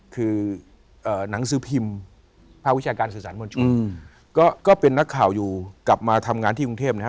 คือหนังสือพิมพ์ภาควิชาการสื่อสารมวลชนก็เป็นนักข่าวอยู่กลับมาทำงานที่กรุงเทพนะฮะ